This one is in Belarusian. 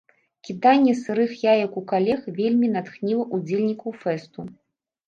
Кіданне сырых яек у калег вельмі натхніла ўдзельнікаў фэсту.